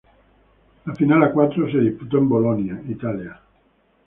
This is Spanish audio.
La final four se disputó en Bolonia, Italia.